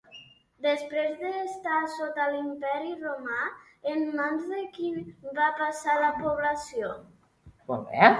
Després d'estar sota l'imperi romà, en mans de qui va passar la població?